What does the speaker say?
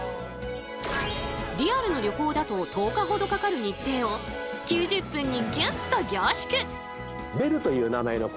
リアルの旅行だと１０日ほどかかる日程を９０分にギュッと凝縮！